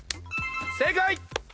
正解！